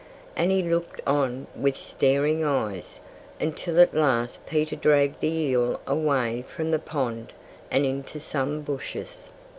And he looked on with staring eyes, until at last Peter dragged the eel away from the pond and into some bushes.